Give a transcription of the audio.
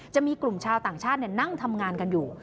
จะมีกลุ่มชาวต่างชาตินั่งทำงานกันอยู่